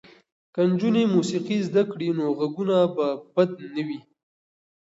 که نجونې موسیقي زده کړي نو غږونه به بد نه وي.